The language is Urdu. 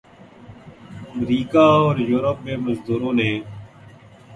مریکہ اور یورپ میں مزدوروں نے